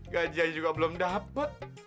gaji aja juga belum dapat